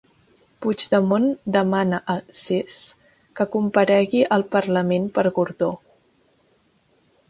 Puigdemont demana a Cs que comparegui al Parlament per Gordó.